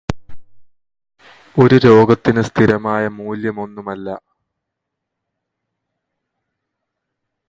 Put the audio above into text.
ഒരു രോഗത്തിന് സ്ഥിരമായ മൂല്യം ഒന്നുമല്ല.